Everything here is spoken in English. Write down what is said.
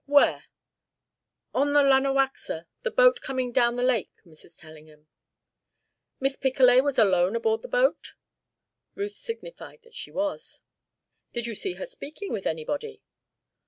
"Where?" "On the Lanawaxa the boat coming down the lake, Mrs. Tellingham." "Miss Picolet was alone aboard the boat?" Ruth signified that she was. "Did you see her speaking with anybody?"